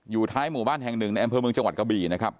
ท้ายหมู่บ้านแห่งหนึ่งในอำเภอเมืองจังหวัดกะบี่นะครับ